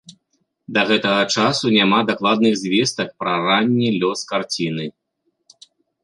Да гэтага часу няма дакладных звестак пра ранні лёс карціны.